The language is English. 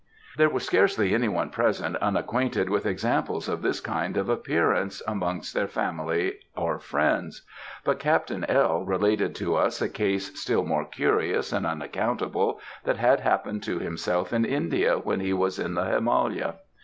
There was scarcely any one present unacquainted with examples of this kind of appearance amongst their family or friends, but Captain L. related to us a case still more curious and unaccountable that had happened to himself in India when he was in the Himalaya.